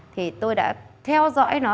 thì tôi đã theo dõi nó